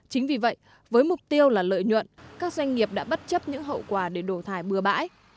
chính vì vậy với mục tiêu là lợi nhuận các doanh nghiệp đã bất chấp những hậu quả để đổ thải bừa bãi